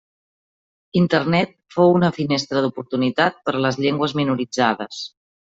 Internet fou una finestra d'oportunitat per a les llengües minoritzades.